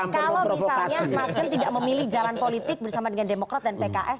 kalau misalnya nasdem tidak memilih jalan politik bersama dengan demokrat dan pks